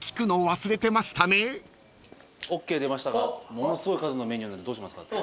ものすごい数のメニューなんでどうしますか？